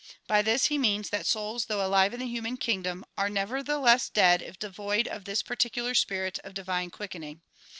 '' By this he means that souls though alive in the human kingdom are nevertheless dead if devoid of this particular spirit of divine quickening.